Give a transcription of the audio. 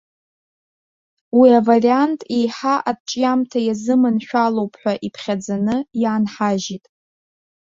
Уи авариант, еиҳа арҿиамҭа иазыманшәалоуп ҳәа иԥхьаӡаны, иаанҳажьит.